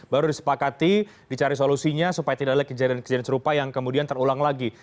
baru disepakati dicari solusinya supaya tidak ada kejadian kejadian serupa yang kemudian terulang lagi